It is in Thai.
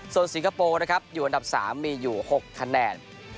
ส่วนสิงคโปร์นะครับอยู่อันดับ๓มีอยู่๖คะแนน